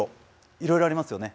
いろいろありますよね。